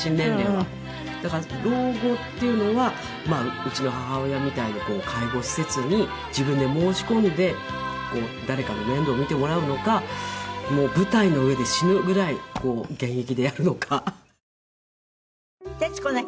うちの母親みたいに介護施設に自分で申し込んで誰かに面倒見てもらうのかもう舞台の上で死ぬぐらい現役でやるのか。